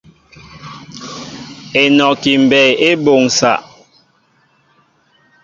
Enɔki mbɛy e boŋsa.